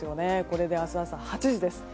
これで明日朝の８時です。